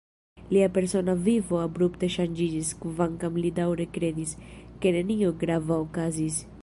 Lia persona vivo abrupte ŝanĝiĝis, kvankam li daŭre kredis, ke nenio grava okazis.